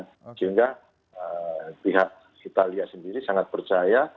sehingga pihak italia sendiri sangat percaya